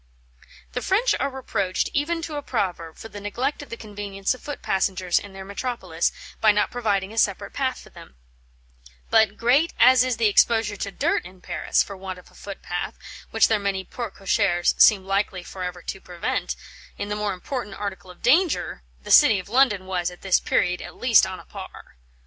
"The French are reproached, even to a proverb, for the neglect of the convenience of foot passengers in their metropolis, by not providing a separate path for them; but, great as is the exposure to dirt in Paris, for want of a footpath, which their many porte cochères seem likely for ever to prevent, in the more important article of danger, the City of London was, at this period, at least on a par.